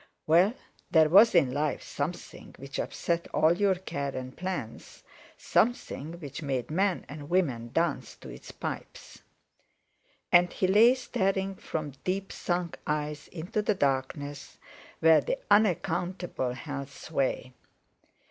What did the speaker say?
Well, there was in life something which upset all your care and plans—something which made men and women dance to its pipes. And he lay staring from deep sunk eyes into the darkness where the unaccountable held sway.